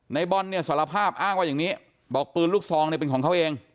ในบอลเนี่ยสารภาพอ้างว่าอย่างนี้บอกปืนลูกซองเนี่ยเป็นของเขาเอง